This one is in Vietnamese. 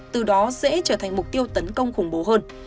từ đó sẽ trở thành mục tiêu tấn công khủng bố hơn